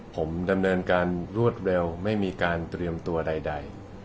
ผมดำเนินการรวดเร็วไม่มีการเตรียมตัวใด